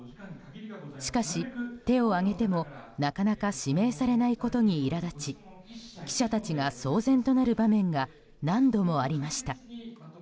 しかし、手を上げてもなかなか指名されないことにいら立ち記者たちが騒然となる場面が何度もありました。